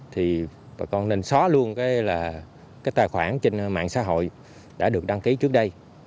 thì bà con nên xóa luôn cái là cái tài khoản trên mạng xã hội đã được đăng ký trước đây